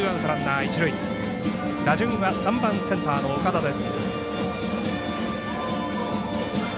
打順は３番センターの岡田です。